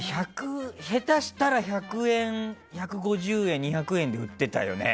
下手したら１００円、１５０円２００円で売ってたよね。